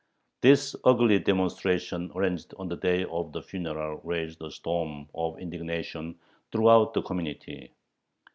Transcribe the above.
This ugly demonstration arranged on the day of the funeral raised a storm of indignation throughout the community.